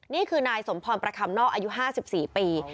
นี่คือนายสมพรประคำนอกอายุ๕๔ปี